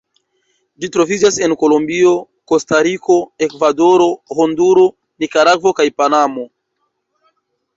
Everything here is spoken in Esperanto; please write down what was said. Ĝi troviĝas en Kolombio, Kostariko, Ekvadoro, Honduro, Nikaragvo kaj Panamo.